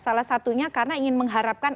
salah satunya karena ingin mengharapkan